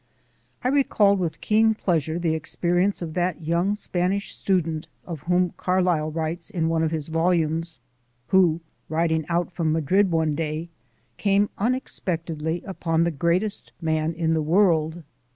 I recalled with keen pleasure the experience of that young Spanish student of Carlyle writes in one of his volumes, who, riding out from Madrid one day, came unexpectedly upon the greatest man in the world.